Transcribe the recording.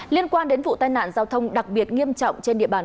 liên quan đến vụ tai nạn giao thông đặc biệt nghiêm trọng trên địa bàn